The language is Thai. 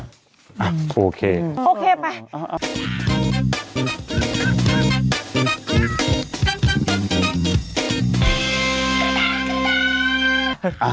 อ่ะโอเคโอเคไป